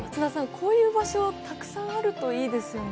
こういう場所たくさんあるといいですよね。